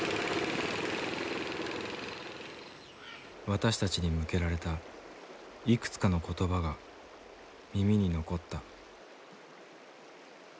私たちに向けられたいくつかの言葉が耳に残った。